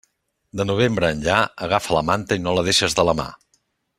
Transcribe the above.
De novembre enllà, agafa la manta i no la deixes de la mà.